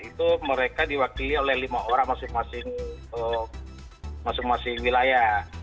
itu mereka diwakili oleh lima orang masing masing wilayah